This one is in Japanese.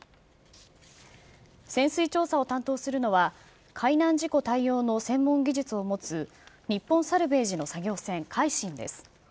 潜水調査を担当するのは、海難事故対応の専門技術を持つ、日本サルヴェージの作業船、海進です。